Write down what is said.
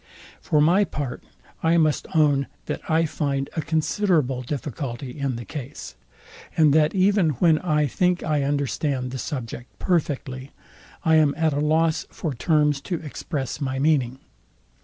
For my part I must own, that I find a considerable difficulty in the case; and that even when I think I understand the subject perfectly, I am at a loss for terms to express my meaning.